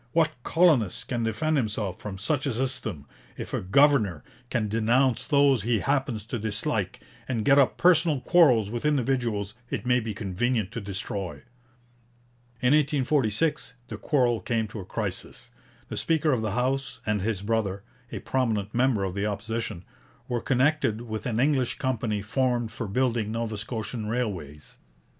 What colonist can defend himself from such a system, if a governor can denounce those he happens to dislike and get up personal quarrels with individuals it may be convenient to destroy?' In 1846 the quarrel came to a crisis. The speaker of the House and his brother, a prominent member of the Opposition, were connected with an English company formed for building Nova Scotian railways.